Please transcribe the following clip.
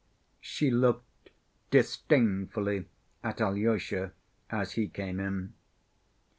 She looked disdainfully at Alyosha as he came in.